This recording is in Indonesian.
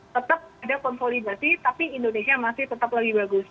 tetap ada konsolidasi tapi indonesia masih tetap lagi bagus